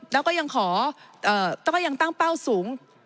แล้วก็ยังตั้งเป้าสูง